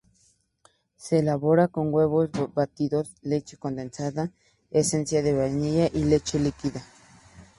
Se elabora con huevos batidos, leche condensada, esencia de vainilla y leche líquida.